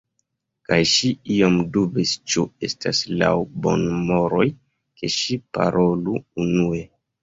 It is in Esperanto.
Kaj ŝi iom dubis ĉu estas laŭ bonmoroj ke ŝi parolu unue.